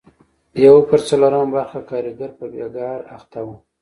یو پر څلورمه برخه کارګر په بېګار اخته وو.